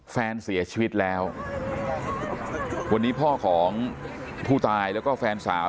แฟนเสียชีวิตแล้ววันนี้พ่อของผู้ตายแล้วก็แฟนสาว